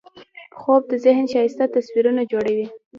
خوب د ذهن ښایسته تصویرونه جوړوي